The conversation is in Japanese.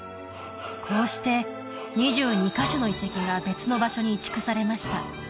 こうして２２カ所の遺跡が別の場所に移築されました